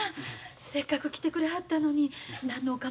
せっかく来てくれはったのに何のお構いもせんと。